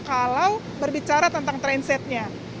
kalau berbicara tentang tren setnya